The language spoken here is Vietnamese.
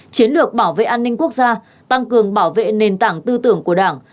chiến lược bảo vệ an ninh quốc gia tăng cường bảo vệ nền tảng tư tưởng của đảng